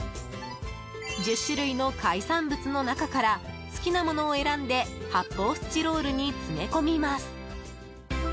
１０種類の海産物の中から好きなものを選んで発泡スチロールに詰め込みます。